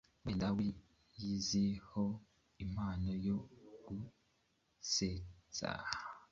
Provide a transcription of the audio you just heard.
wenda wiyiziho impano yo gusetsa